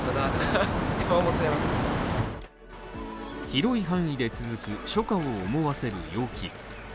広い範囲で続く初夏を思わせる陽気。